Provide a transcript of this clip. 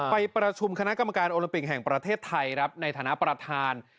ไปประชุมคณะกรรมการโอลิมปิกแห่งประเทศไทยครับในฐานะประธาน